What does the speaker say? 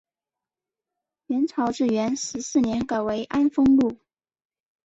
元朝至元十四年改为安丰路。